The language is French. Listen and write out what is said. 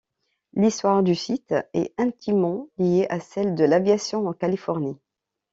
L'histoire du site est intimement liée à celle de l'aviation en Californie.